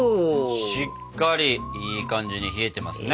しっかりいい感じに冷えてますね。